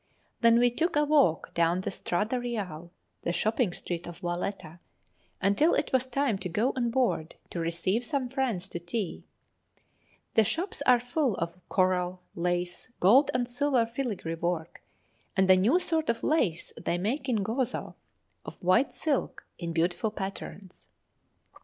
Then we took a walk down the Strada Reale, the shopping street of Valetta, until it was time to go on board to receive some friends to tea. The shops are full of coral, lace, gold and silver filigree work, and a new sort of lace they make in Gozo, of white silk, in beautiful patterns.